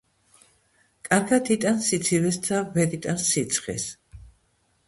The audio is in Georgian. კარგად იტანს სიცივეს და ვერ იტანს სიცხეს.